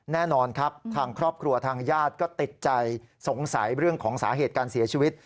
แน่นอนครับทางครอบครัวทางญาติก็ติดใจสงสัยเรื่องของสาเหตุการเสียชีวิต